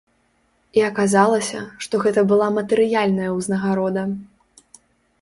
І аказалася, што гэта была матэрыяльная ўзнагарода.